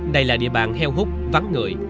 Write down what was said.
đây là địa bàn heo hút vắng người